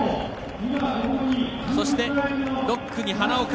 そして、６区に花岡。